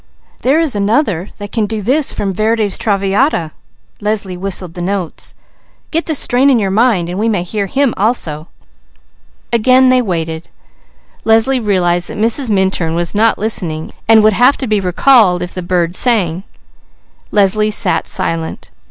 "There is another that can do this from Verdi's Traviata." Leslie whistled the notes. "We may hear him also." Again they waited. Leslie realized that Mrs. Minturn was not listening, and would have to be recalled if the bird sang. Leslie sat silent.